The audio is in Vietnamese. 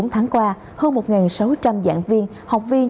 bốn tháng qua hơn một sáu trăm linh giảng viên học viên